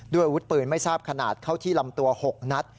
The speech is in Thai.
อาวุธปืนไม่ทราบขนาดเข้าที่ลำตัว๖นัด